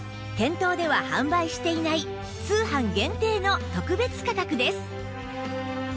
店頭では販売していない通販限定の特別価格です